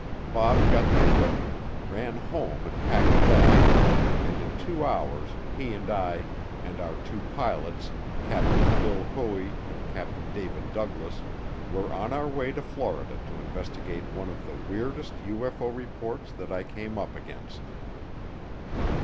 Bob got the equipment, ran home and packed a bag, and in two hours he and I and our two pilots, Captain Bill Hoey and Captain David Douglas, were on our way to Florida to investigate one of the weirdest UFO reports that I came up against.